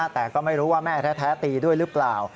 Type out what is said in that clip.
แต่ก็ไม่รู้ว่าแม่แท้ตีด้วยหรือเปล่า